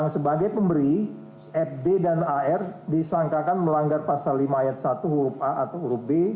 sebagai pemberi fd dan ar disangkakan melanggar pasal lima ayat satu huruf a atau huruf b